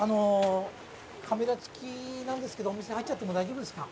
カメラ付きなんですけどお店入っちゃっても大丈夫ですか？